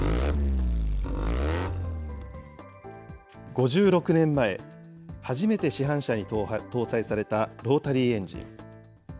５６年前、初めて市販車に搭載されたロータリーエンジン。